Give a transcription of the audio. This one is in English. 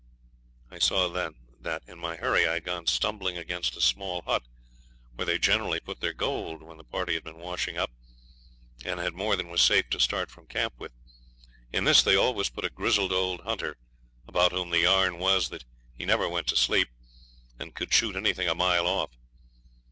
I saw then that in my hurry I had gone stumbling against a small hut where they generally put their gold when the party had been washing up and had more than was safe to start from camp with. In this they always put a grizzled old hunter, about whom the yarn was that he never went to sleep, and could shoot anything a mile off.